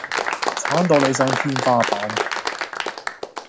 鏟到你上天花板